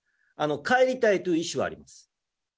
帰りたいという意思はあります。